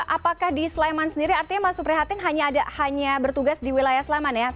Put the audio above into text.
apakah di sleman sendiri artinya mas suprihatin hanya bertugas di wilayah sleman ya